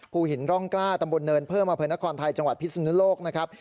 ภูหินร่องกล้าตำบลเนินเพิ่มอำเภอนครไทยจังหวัดพิศนุโลกนะครับ